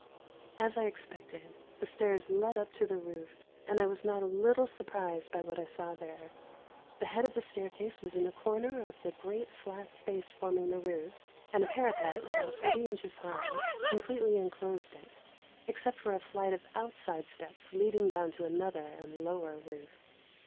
As I expected, the stairs led up to the roof, and I was not a little surprised by what I saw there. The head of the staircase was in a corner of the great flat space forming the roof, and a parapet, about thirty inches high, completely enclosed it, except for a flight of outside steps leading down to another and lower roof.